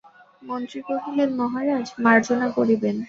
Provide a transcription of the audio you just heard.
মন্ত্রী কহিলেন, মহারাজ, মার্জনা করিবেন।